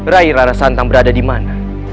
rai rara santang berada dimana